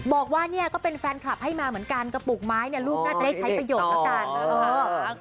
บอกว่าเนี่ยก็เป็นแฟนคลับให้มาเหมือนกันกระปุกไม้เนี่ยลูกน่าจะได้ใช้ประโยชน์แล้วกัน